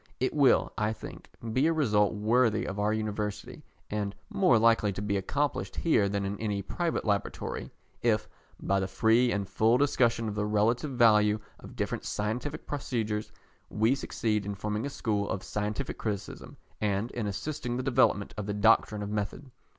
It will, I think, be a result worthy of our University, and more likely to be accomplished here than in any private laboratory, if, by the free and full discussion of the relative value of different scientific procedures, we succeed in forming a school of scientific criticism, and in assisting the development of the doctrine of method.